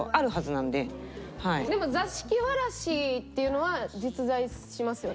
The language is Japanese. でも座敷童っていうのは実在しますよね？